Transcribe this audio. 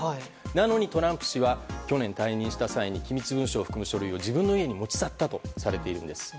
なのにトランプ氏は去年退任した際に機密文書を含む文書を持ち去ったというんです。